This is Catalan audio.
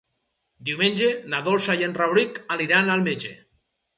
Diumenge na Dolça i en Rauric aniran al metge.